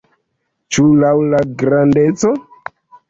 Ĉu laŭ la grandeco?